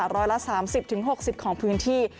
ร้อยละ๓๐๖๐ของพื้นที่